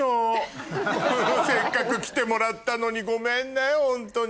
せっかく来てもらったのにごめんねホントに。